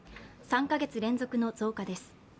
３か月連続の増加です。